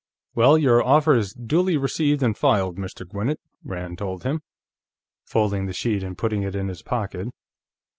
"Well, your offer is duly received and filed, Mr. Gwinnett," Rand told him, folding the sheet and putting it in his pocket.